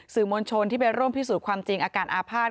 มวลชนที่ไปร่วมพิสูจน์ความจริงอาการอาภาษณ